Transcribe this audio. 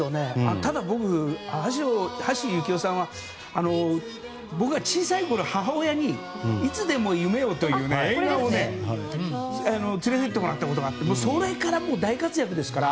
ただ僕、橋幸夫さんは僕が小さいころ母親に「いつでも夢を」という映画に連れてってもらったことがあってそれから大活躍ですから。